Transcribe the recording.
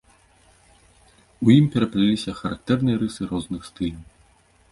У ім перапляліся характэрныя рысы розных стыляў.